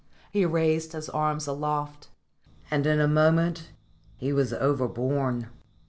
He raised his arm aloft, and in a moment he was overborne.